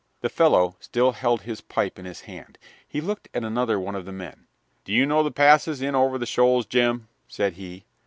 The fellow still held his pipe in his hand. He looked at another one of the men. "Do you know the passes in over the shoals, Jem?" said he.